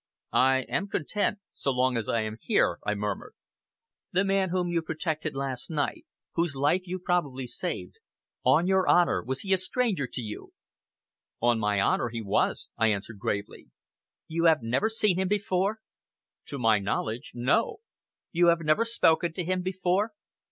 "I am content so long as you are here," I murmured. "The man whom you protected last night whose life you probably saved on your honor, was he a stranger to you?" "On my honor he was," I answered gravely. "You have never seen him before?" "To my knowledge no!" "You have never spoken to him before?"